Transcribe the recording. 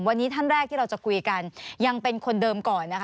วันนี้ท่านแรกที่เราจะคุยกันยังเป็นคนเดิมก่อนนะคะ